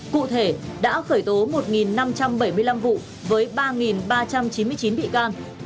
cụ thể đã khởi tố một năm trăm bảy mươi năm vụ với ba ba trăm chín mươi chín bị can